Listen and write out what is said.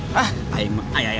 hah ayayawai budaknya